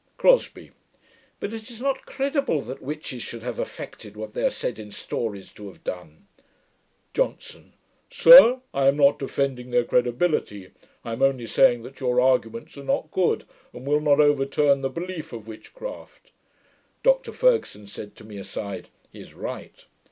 CROSBIE. 'But it is not credible, that witches should have effected what they are said in stories to have done.' JOHNSON. 'Sir, I am not defending their credibility. I am only saying, that your arguments are not good, and will not overturn the belief of witchcraft.' (Dr Fergusson said to me, aside, 'He is right.')